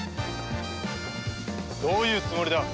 どういうつもりだ？